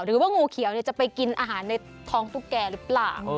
หรือว่างูเขียวจะไปกินอาหารในท้องตุ๊กแก่หรือเปล่า